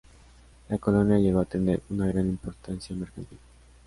La colonia llegó a tener una gran importancia mercantil.